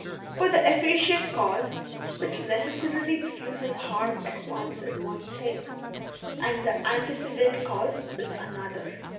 For the efficient cause, which necessarily produces harm at once, is one thing, and the antecedent cause is another.